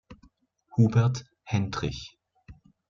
Hubert Hentrich.